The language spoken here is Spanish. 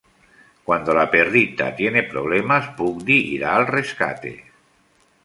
Cuando la perrita tiene problemas Pudgy irá al rescate.